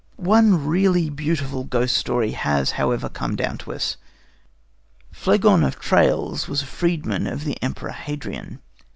One really beautiful ghost story has, however, come down to us. Phlegon of Tralles was a freedman of the Emperor Hadrian.